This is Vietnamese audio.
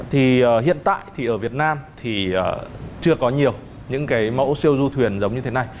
thì hiện tại thì ở việt nam thì chưa có nhiều những cái mẫu siêu du thuyền giống như thế này